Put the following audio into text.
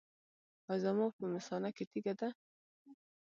ایا زما په مثانه کې تیږه ده؟